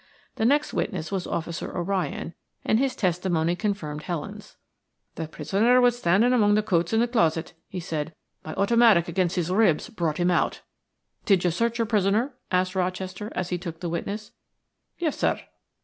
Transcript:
The next witness was Officer O'Ryan, and his testimony confirmed Helen's. "The prisoner was standing back among the coats in the closet," he said. "My automatic against his ribs brought him out." "Did you search your prisoner?" asked Rochester, as he took the witness. "Yes, sir.